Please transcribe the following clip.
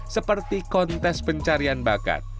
seperti kontes pencarian bakat